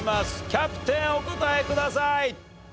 キャプテンお答えください。